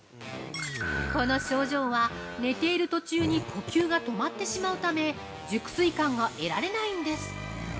◆この症状は、寝ている途中に呼吸が止まってしまうため熟睡感が得られないんです。